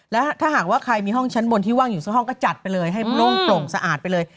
แล้วถ้าหากว่าใครมีห้องชั้นบนที่ว่างอยู่สักห้องก็จัดไปเลยให้โล่งโปร่งสะอาดไปเลย